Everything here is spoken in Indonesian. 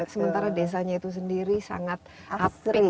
sementara desanya itu sendiri sangat apik asri